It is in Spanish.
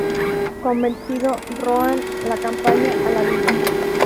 Convencido, Rohan la acompaña a la villa.